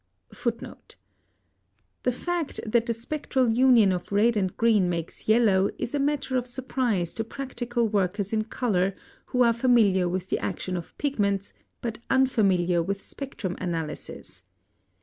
[Footnote 21: See Micron in Glossary.] [Footnote 22: The fact that the spectral union of red and green makes yellow is a matter of surprise to practical workers in color who are familiar with the action of pigments, but unfamiliar with spectrum analysis.